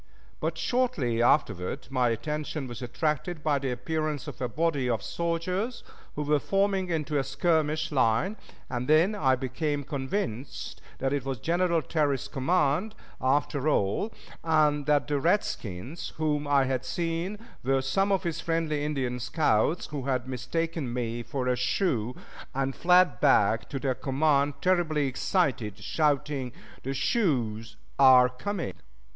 But shortly afterward my attention was attracted by the appearance of a body of soldiers who were forming into a skirmish line and then I became convinced that it was General Terry's command, after all, and that the redskins whom I had seen were some of his friendly Indian scouts, who had mistaken me for a Sioux, and fled back to their command terribly excited, shouting, "The Sioux are coming!"